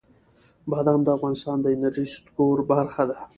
بادام د افغانستان د انرژۍ سکتور برخه ده.